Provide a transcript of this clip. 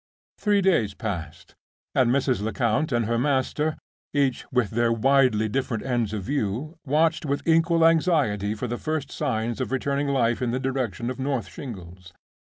Three days passed; and Mrs. Lecount and her master—each with their widely different ends in view—watched with equal anxiety for the first signs of returning life in the direction of North Shingles.